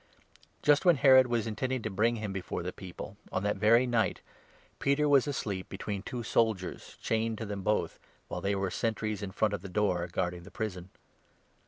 Just when Herod was 6 intending to bring him before the people, on that very night Peter was asleep between two soldiers, chained to them both, while there were sentries in front of the door, guarding the prison.